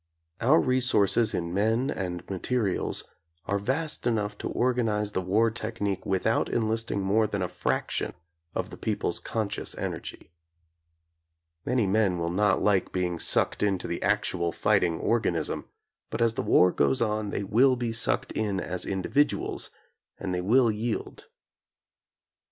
Our resources in men and materials are vast enough to organize the war technique without enlisting more than a fraction of the people's conscious energy. Many men will not like being sucked into the ac tual fighting organism, but as the war goes on they will be sucked in as individuals and they will yield.